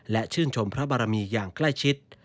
และชื่นชมพระบารมีอย่างใกล้ชิด